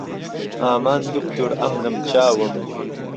ئامان دوکتور عەمرم چاوم